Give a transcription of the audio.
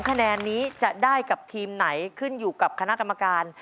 คะแนนนี้จะได้กับทีมไหนขึ้นอยู่กับคณะกรรมการ